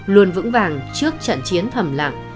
luôn vững vàng trước trận chiến thầm lặng